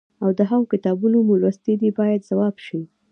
او د هغوی کتابونه مو لوستي دي باید ځواب شي.